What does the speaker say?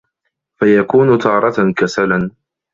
فَيَكُونُ تَارَةً كَسَلًا